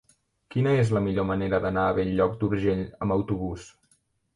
Quina és la millor manera d'anar a Bell-lloc d'Urgell amb autobús?